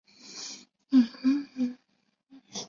以利亚撒的儿子非尼哈在约书亚记中再次出现。